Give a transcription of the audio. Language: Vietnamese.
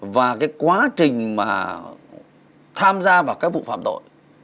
và cái quá trình mà tham gia vào các vụ phạm tội